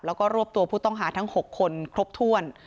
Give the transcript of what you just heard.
แล้วก็รวบตัวผู้ต้องหาทั้ง๖คนครบถ้วน